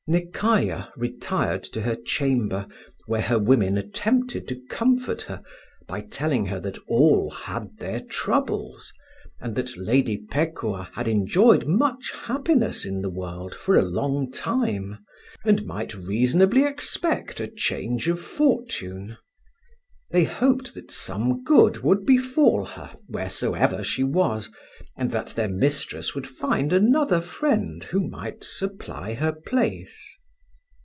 Nekayah retired to her chamber, where her women attempted to comfort her by telling her that all had their troubles, and that Lady Pekuah had enjoyed much happiness in the world for a long time, and might reasonably expect a change of fortune. They hoped that some good would befall her wheresoever she was, and that their mistress would find another friend who might supply her place.